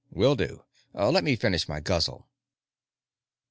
"Will do. Let me finish my guzzle."